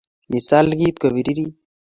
kisal kote kubirieit